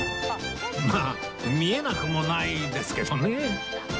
まあ見えなくもないですけどね